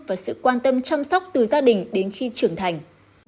và sự quan tâm chăm sóc từ gia đình đến khi trưởng thành